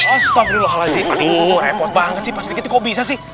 astagfirullahaladzim repot banget sih pas dikit kok bisa sih